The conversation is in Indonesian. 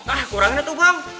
ah kurangnya tuh bang